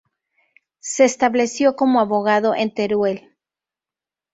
Se estableció como abogado en Teruel.